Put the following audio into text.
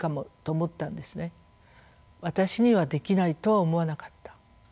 「私にはできない」とは思わなかった。